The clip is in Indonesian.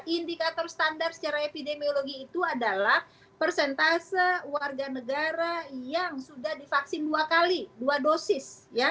indikator standar secara epidemiologi itu adalah persentase warga negara yang sudah divaksin dua kali dua dosis